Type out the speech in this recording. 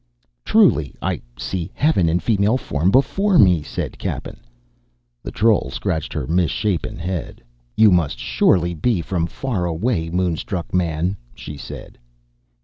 "Truly I see heaven in female form before me," said Cappen. The troll scratched her misshapen head. "You must surely be from far away, moonstruck man," she said.